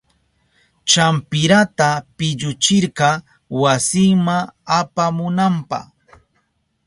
Champirata pilluchirka wasinma apamunanpa.